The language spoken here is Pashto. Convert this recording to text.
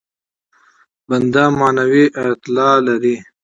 بنده معنوي اعتلا لري.